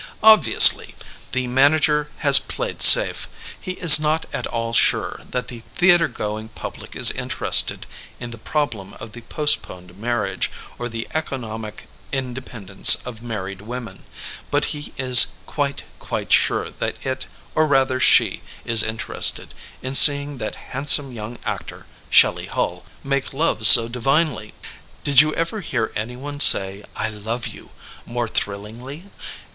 Obviously the manager has played safe. He is not at all sure that the theatregoing public is interested in the problem of the postponed marriage, or the eco nomic independence of married women, but he is quite, quite sure that it, or rather she, is interested in seeing that handsome young actor, Shelley Hull, make love so divinely. Did you ever hear anyone say I love you" more thrillingly?